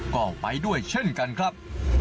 ก็ไปด้วยเช่นกันครับ